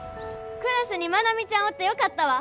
クラスに愛美ちゃんおってよかったわ。